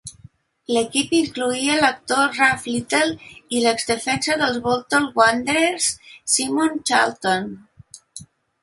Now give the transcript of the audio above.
L'equip incloïa l'actor Ralf Little i l'exdefensa dels Bolton Wanderers Simon Charlton.